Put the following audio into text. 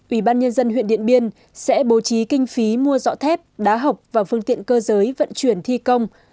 ủy ban nhân dân huyện điện biên sẽ bố trí kinh phí mua dọ thép đá học và phương tiện cơ giới vận chuyển thi công